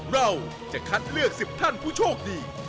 เราจะคัดเลือก๑๐ท่านผู้โชคดี